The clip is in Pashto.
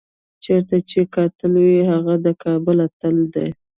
چېرته چې قاتل وي هغه د کابل اتل دی.